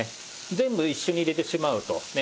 全部一緒に入れてしまうとね